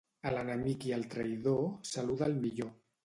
A l'enemic i al traïdor, saluda'l millor.